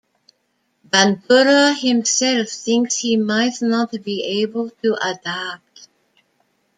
Bandura himself thinks he might not be able to adapt.